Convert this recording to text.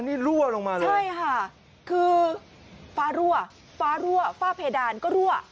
นี่รั่วลงมาเลยใช่ค่ะคือฟ้ารั่วฟ้ารั่วฝ้าเพดานก็รั่ว